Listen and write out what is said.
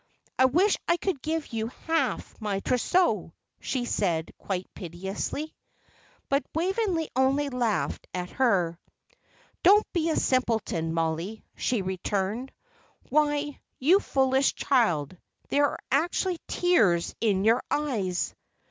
"I wish I could give you half my trousseau," she said, quite piteously. But Waveney only laughed at her. "Don't be a simpleton, Mollie," she returned. "Why, you foolish child, there are actually tears in your eyes!